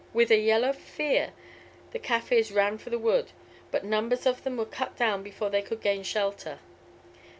With a yell of fear the Kaffirs ran for the wood, but numbers of them were cut down before they could gain shelter.